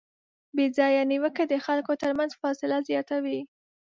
بېځایه نیوکه د خلکو ترمنځ فاصله زیاتوي.